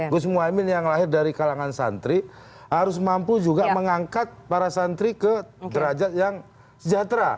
gus muhaymin yang lahir dari kalangan santri harus mampu juga mengangkat para santri ke derajat yang sejahtera